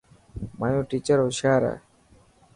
مايو ٽيچر هوشيار هي.